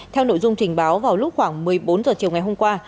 theo nội dung trình báo vào lúc khoảng một mươi bốn h chiều ngày hôm qua